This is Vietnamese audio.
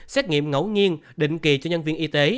xét nghiệm ngẫu nhiên định kỳ cho nhân viên y tế